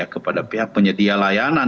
kepada pihak penyedia layanan